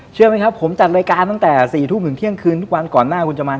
เชื่อไหมครับผมจัดรายการตั้งแต่๔ทุ่มถึงเที่ยงคืนทุกวันก่อนหน้าคุณจะมา